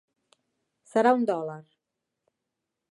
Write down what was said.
Serà un dòlar.